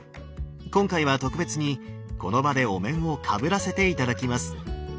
今回は特別にこの場でお面をかぶらせて頂きます。